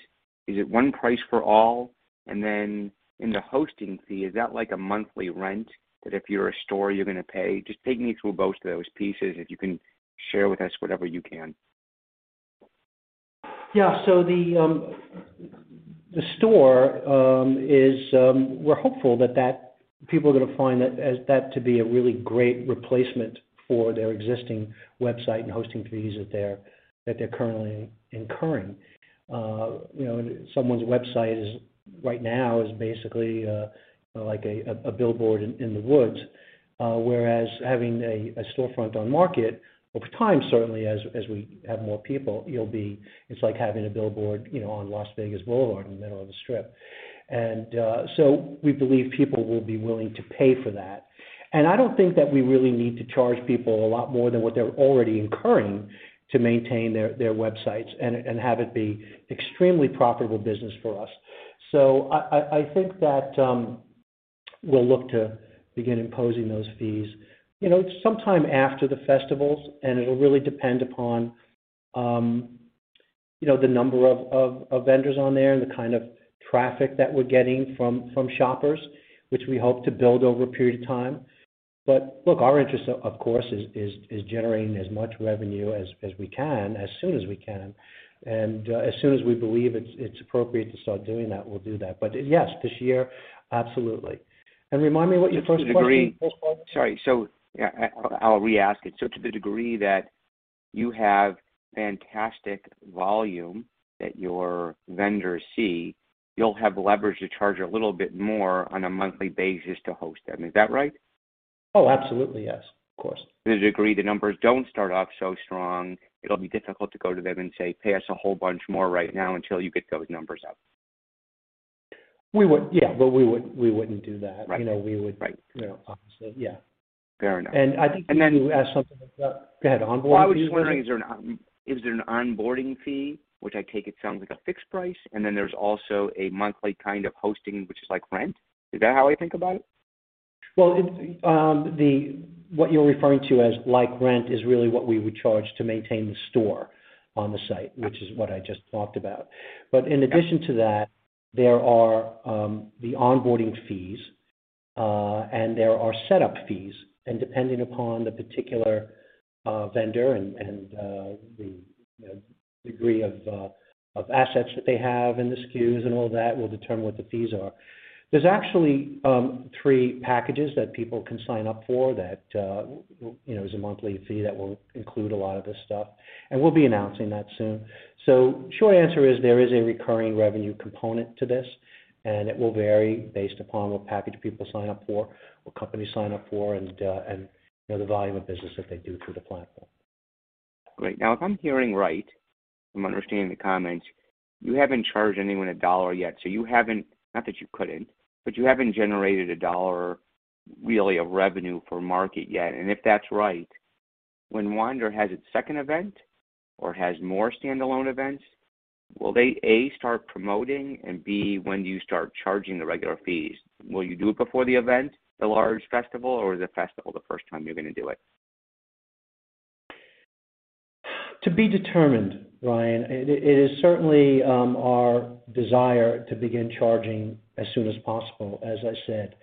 Is it one price for all? In the hosting fee, is that like a monthly rent that if you're a store you're gonna pay? Just take me through both of those pieces, if you can share with us whatever you can. Yeah. The store is. We're hopeful that people are gonna find that to be a really great replacement for their existing website and hosting fees that they're currently incurring. You know, someone's website right now is basically like a billboard in the woods. Whereas having a storefront on MARKET over time, certainly as we have more people, it'll be like having a billboard, you know, on Las Vegas Boulevard in the middle of the strip. We believe people will be willing to pay for that. I don't think that we really need to charge people a lot more than what they're already incurring to maintain their websites and have it be extremely profitable business for us. I think that we'll look to begin imposing those fees, you know, sometime after the festivals, and it'll really depend upon, you know, the number of vendors on there and the kind of traffic that we're getting from shoppers, which we hope to build over a period of time. Look, our interest of course is generating as much revenue as we can, as soon as we can. As soon as we believe it's appropriate to start doing that, we'll do that. Yes, this year, absolutely. Remind me what your first question was, Brian. Sorry. I'll re-ask it. To the degree that you have fantastic volume that your vendors see, you'll have the leverage to charge a little bit more on a monthly basis to host them. Is that right? Oh, absolutely, yes. Of course. To the degree the numbers don't start off so strong, it'll be difficult to go to them and say, "Pay us a whole bunch more right now until you get those numbers up." Yeah, but we wouldn't do that. Right. You know. Right. You know, obviously, yeah. Fair enough. I think you asked something like that. Go ahead, onboarding fees. Well, I was just wondering, is there an onboarding fee, which I take, it sounds like a fixed price, and then there's also a monthly kind of hosting, which is like rent. Is that how I think about it? Well, it, what you're referring to as like rent is really what we would charge to maintain the store on the site, which is what I just talked about. In addition to that, there are the onboarding fees, and there are setup fees. Depending upon the particular vendor and the degree of assets that they have and the SKUs and all that will determine what the fees are. There's actually three packages that people can sign up for that, you know, there's a monthly fee that will include a lot of this stuff, and we'll be announcing that soon. Short answer is there is a recurring revenue component to this, and it will vary based upon what package people sign up for or companies sign up for and, you know, the volume of business that they do through the platform. Great. Now, if I'm hearing right, I'm understanding the comments, you haven't charged anyone $1 yet, so you haven't, not that you couldn't, but you haven't generated $1 really of revenue for MARKET yet. If that's right, when Wander has its second event or has more standalone events, will they, A, start promoting? B, when do you start charging the regular fees? Will you do it before the event, the large festival, or the festival the first time you're gonna do it? To be determined, Brian. It is certainly our desire to begin charging as soon as possible, as I said.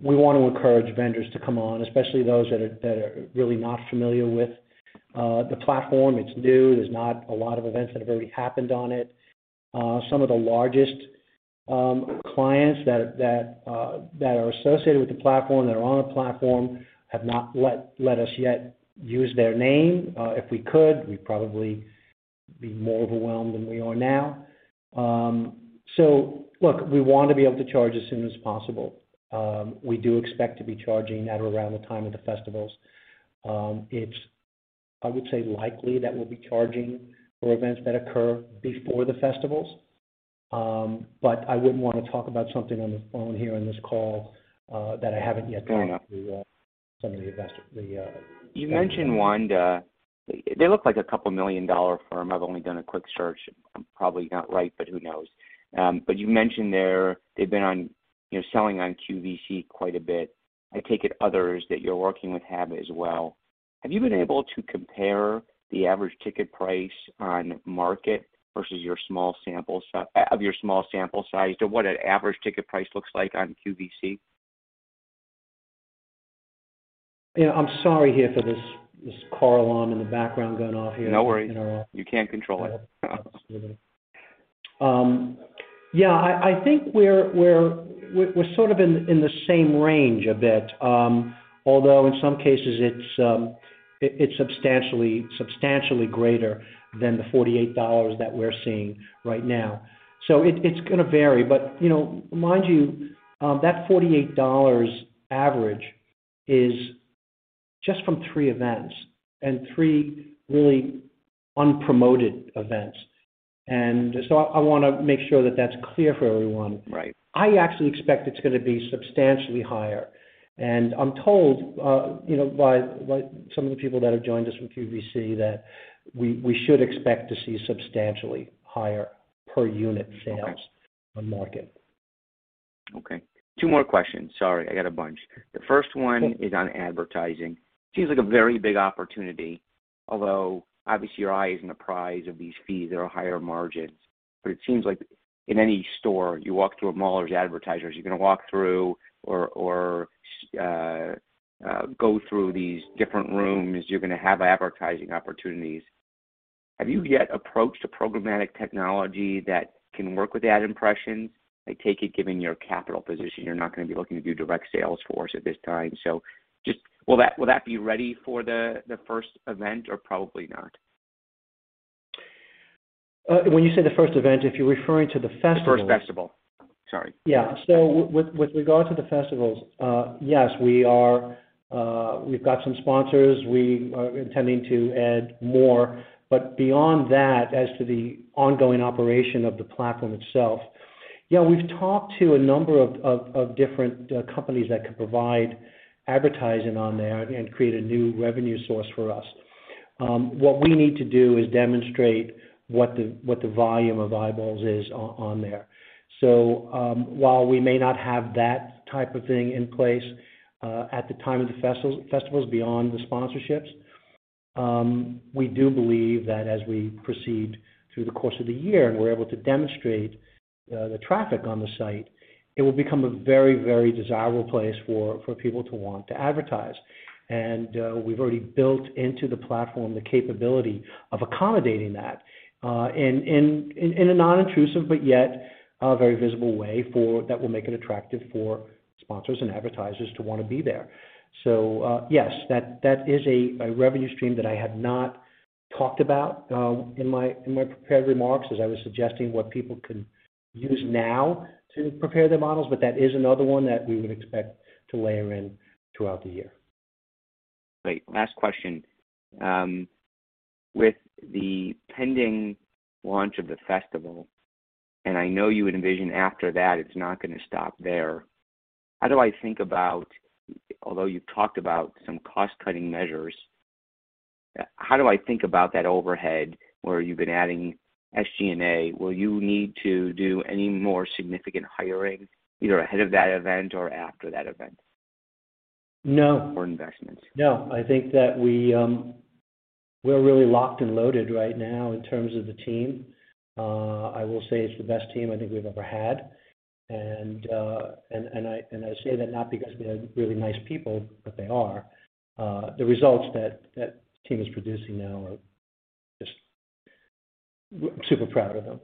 We want to encourage vendors to come on, especially those that are really not familiar with the platform. It's new. There's not a lot of events that have already happened on it. Some of the largest clients that are associated with the platform, that are on the platform, have not let us yet use their name. If we could, we'd probably be more overwhelmed than we are now. Look, we want to be able to charge as soon as possible. We do expect to be charging at around the time of the festivals. It's, I would say, likely that we'll be charging for events that occur before the festivals. I wouldn't want to talk about something on the phone here on this call that I haven't yet talked to- Fair enough. Some of the investor, the- You mentioned Wander. They look like a couple million-dollar firm. I've only done a quick search. I'm probably not right, but who knows? You mentioned they've been on, you know, selling on QVC quite a bit. I take it others that you're working with have as well. Have you been able to compare the average ticket price on MARKET versus your small sample size to what an average ticket price looks like on QVC? Yeah. I'm sorry, hear this car alarm in the background going off here. No worries. You know? You can't control it. Yeah. I think we're sort of in the same range a bit. Although in some cases it's substantially greater than the $48 that we're seeing right now. It's gonna vary, but you know, mind you, that $48 average is just from three events and three really unpromoted events. I wanna make sure that that's clear for everyone. Right. I actually expect it's gonna be substantially higher. I'm told, you know, by some of the people that have joined us from QVC that we should expect to see substantially higher per unit sales. Okay. On MARKET. Okay. Two more questions. Sorry, I got a bunch. Sure. The first one is on advertising. Seems like a very big opportunity, although obviously your eye is on the prize of these fees that are higher margins. It seems like in any store you walk through a mall, there's advertisers. You're gonna walk through or see go through these different rooms, you're gonna have advertising opportunities. Have you yet approached a programmatic technology that can work with that impression? I take it, given your capital position, you're not gonna be looking to do direct sales force at this time. Just will that be ready for the first event or probably not? When you say the first event, if you're referring to the festival? The first festival. Sorry. With regard to the festivals, yes, we are... we've got some sponsors. We are intending to add more. Beyond that, as to the ongoing operation of the platform itself, yeah, we've talked to a number of different companies that could provide advertising on there and create a new revenue source for us. What we need to do is demonstrate what the volume of eyeballs is on there. While we may not have that type of thing in place at the time of the festivals beyond the sponsorships, we do believe that as we proceed through the course of the year and we're able to demonstrate the traffic on the site, it will become a very desirable place for people to want to advertise. We've already built into the platform the capability of accommodating that in a non-intrusive, but yet very visible way for that will make it attractive for sponsors and advertisers to wanna be there. Yes, that is a revenue stream that I have not talked about in my prepared remarks, as I was suggesting what people can use now to prepare their models, but that is another one that we would expect to layer in throughout the year. Great. Last question. With the pending launch of the festival, and I know you would envision after that it's not gonna stop there, how do I think about. Although you've talked about some cost-cutting measures, how do I think about that overhead where you've been adding SG&A? Will you need to do any more significant hiring either ahead of that event or after that event? No. Investments. No. I think that we're really locked and loaded right now in terms of the team. I will say it's the best team I think we've ever had. I say that not because we have really nice people, but they are. The results that the team is producing now are just super proud of them.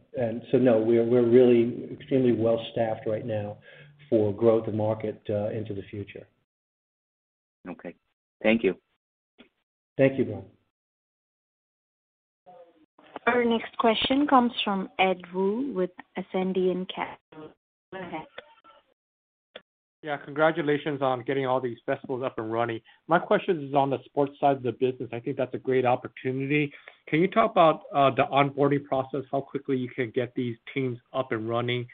No, we're really extremely well-staffed right now for growth and MARKET into the future. Okay. Thank you. Thank you, Brian. Our next question comes from Ed Woo with Ascendiant Capital. Go ahead. Yeah. Congratulations on getting all these festivals up and running. My question is on the sports side of the business. I think that's a great opportunity. Can you talk about the onboarding process, how quickly you can get these teams up and running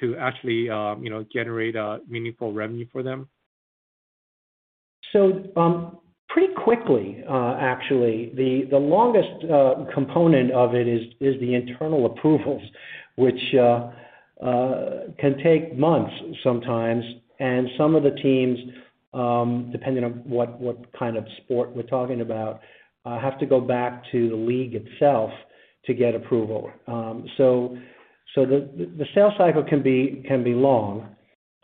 to actually you know generate a meaningful revenue for them? Pretty quickly, actually. The longest component of it is the internal approvals, which can take months sometimes. Some of the teams, depending on what kind of sport we're talking about, have to go back to the league itself to get approval. The sales cycle can be long.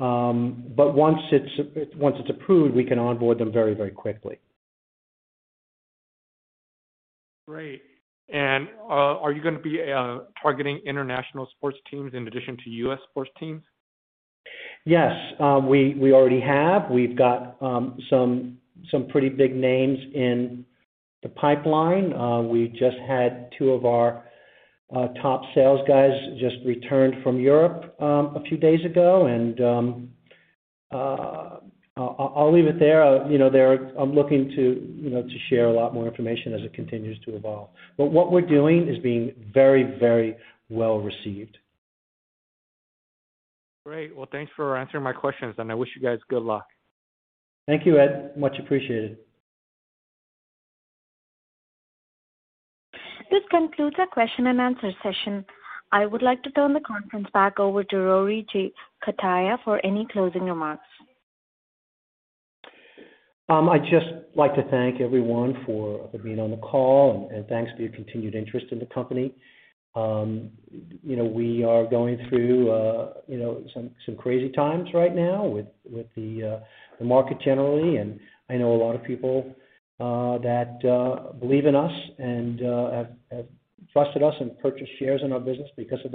Once it's approved, we can onboard them very quickly. Great. Are you gonna be targeting international sports teams in addition to U.S. sports teams? Yes. We already have. We've got some pretty big names in the pipeline. We just had two of our top sales guys just returned from Europe a few days ago. I'll leave it there. You know, I'm looking to you know to share a lot more information as it continues to evolve. What we're doing is being very, very well-received. Great. Well, thanks for answering my questions, and I wish you guys good luck. Thank you, Ed. Much appreciated. This concludes our question and answer session. I would like to turn the conference back over to Rory J. Cutaia for any closing remarks. I'd just like to thank everyone for being on the call and thanks for your continued interest in the company. You know, we are going through you know, some crazy times right now with the MARKET generally. I know a lot of people that believe in us and have trusted us and purchased shares in our business because of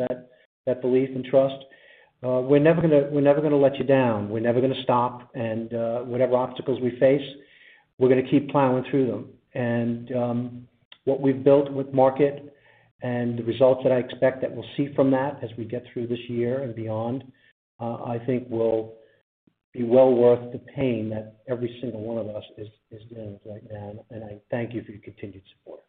that belief and trust. We're never gonna let you down. We're never gonna stop, and whatever obstacles we face, we're gonna keep plowing through them. What we've built with MARKET and the results that I expect that we'll see from that as we get through this year and beyond, I think will be well worth the pain that every single one of us is in right now, and I thank you for your continued support.